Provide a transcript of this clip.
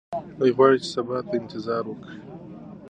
دی غواړي چې سبا ته انتظار وکړي.